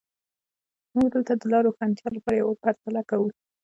موږ دلته د لا روښانتیا لپاره یوه پرتله کوو.